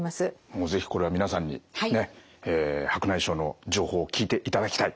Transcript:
もう是非これは皆さんにねっ白内障の情報聞いていただきたい！